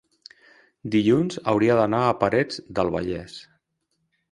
dilluns hauria d'anar a Parets del Vallès.